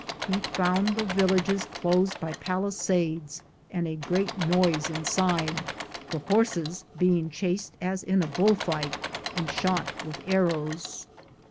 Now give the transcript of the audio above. He found the villages closed by palisades and a great noise inside, the horses being chased as in a bull fight and shot with arrows.